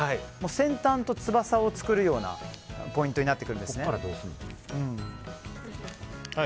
先端と翼を作るようなポイントになってくるんですね。